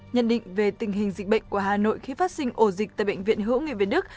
nhận định về tình hình dịch bệnh của hà nội khi phát sinh ổ dịch tại bệnh viện hữu nghị việt đức